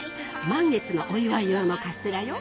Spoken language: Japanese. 満月のお祝い用のカステラよ。